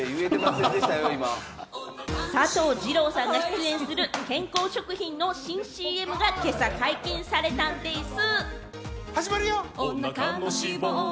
佐藤二朗さんが出演する健康食品の新ＣＭが今朝解禁されたんでぃす。